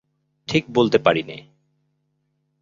ঠিক বলতে পারি নে।